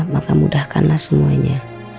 maka mudahkanlah semuanya